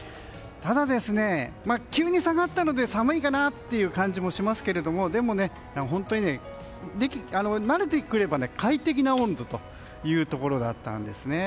ただ、急に下がったので寒いかなという感じもしますけれども、本当に慣れてくれば快適な温度というところだったんです。